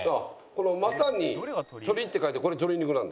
この「又」に「」って書いてこれ鶏肉なんですよ。